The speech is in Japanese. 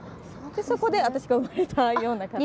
そこで私が生まれたような形で。